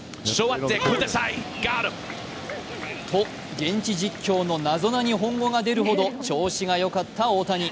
と、現地実況の謎な日本語が出るほど調子がよかった大谷。